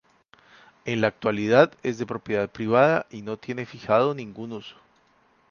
En la actualidad es de propiedad privada y no tiene fijado ningún uso.